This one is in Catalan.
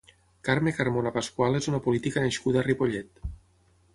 Carme Carmona Pascual és una política nascuda a Ripollet.